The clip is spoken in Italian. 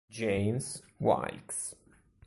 James Wilkes